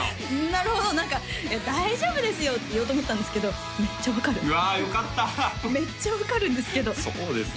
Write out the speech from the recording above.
なるほど何か大丈夫ですよって言おうと思ったんですけどめっちゃ分かるうわよかっためっちゃ分かるんですけどそうですか？